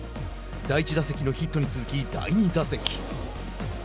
第１打席のヒットに続き第２打席。